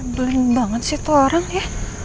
beling banget sih tuh orang ya